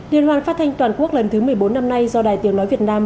liên hoan phát thanh toàn quốc lần thứ một mươi bốn năm nay do đài tiếng nói việt nam